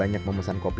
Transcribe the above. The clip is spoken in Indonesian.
awak nungguin kotak kopi